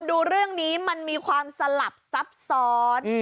ดูเรื่องนี้มันมีความสลับซับซ้อน